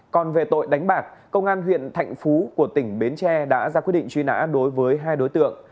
còn về tội đánh bạc công an huyện thạnh phú của tỉnh bến tre đã ra quyết định truy nã đối với hai đối tượng